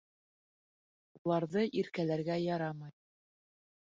— Уларҙы иркәләргә ярамай.